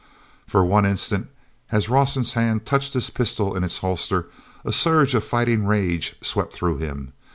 For one instant, as Rawson's hand touched his pistol in its holster, a surge of fighting rage swept through him.